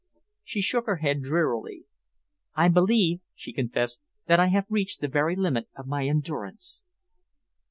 She shook her head drearily. "I believe," she confessed, "that I have reached the very limit of my endurance."